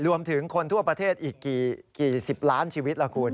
รวมถึงคนทั่วประเทศอีกกี่สิบล้านชีวิตล่ะคุณ